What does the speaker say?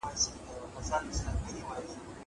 زه به سبا اوبه پاک کړم!!